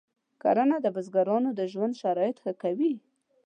کرنه د بزګرانو د ژوند شرایط ښه کوي.